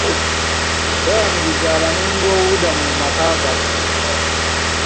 Twayaniriza abanyyonyiboobubudamu mu maka gaffe.